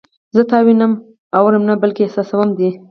زه تا وینم یا اورم نه بلکې احساسوم دې